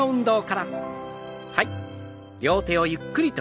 はい。